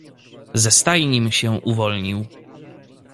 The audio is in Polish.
"Ze stajnim się uwolnił."